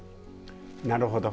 なるほど。